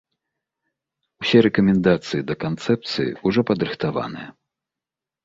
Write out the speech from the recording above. Усе рэкамендацыі да канцэпцыі ўжо падрыхтаваныя.